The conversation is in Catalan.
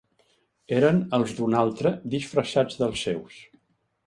Eren els d’un altre disfressats dels seus.